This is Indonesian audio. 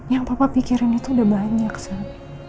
yang papa pikirin itu udah banyak sih